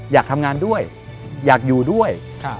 อยากทำงานด้วยอยากอยู่ด้วย